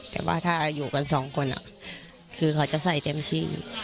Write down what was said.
แต่ว่าถ้าอยู่กันสองคนคือเขาจะใส่เต็มที่